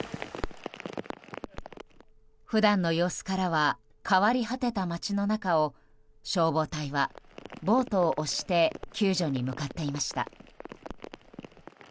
普段の様子からは変わり果てた街の中を消防隊はボートを押して救助に向かっていました。